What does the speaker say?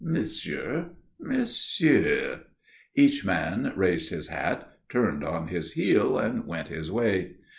"Monsieur." "Monsieur." Each man raised his hat, turned on his heel and went his way.